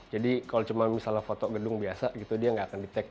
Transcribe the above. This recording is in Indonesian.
jadi kalau cuma misalnya foto gedung biasa gitu dia nggak akan detect